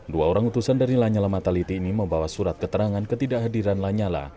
dua orang utusan dari lanyala mataliti ini membawa surat keterangan ketidakhadiran lanyala